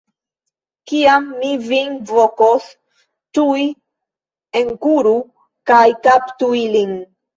Kiam mi vin vokos, tuj enkuru kaj kaptu ilin.